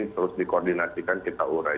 terus dikoordinasikan kita urai